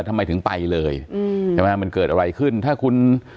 ทำไมถึงไปเลยอืมใช่ไหมมันเกิดอะไรขึ้นถ้าคุณ